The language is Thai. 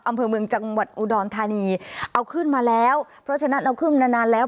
อำเภอเมืองจังหวัดอุดรธานีเอาขึ้นมาแล้วเพราะฉะนั้นเราขึ้นนานนานแล้ว